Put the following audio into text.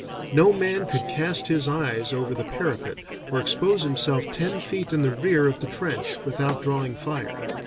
No man could cast his eyes over the parapet, or expose himself ten feet in the rear of the trench without drawing fire.